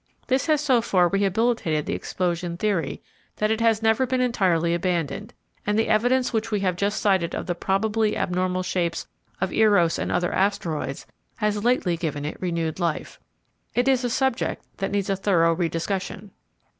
This has so far rehabilitated the explosion theory that it has never been entirely abandoned, and the evidence which we have just cited of the probably abnormal shapes of Eros and other asteroids has lately given it renewed life. It is a subject that needs a thorough rediscussion.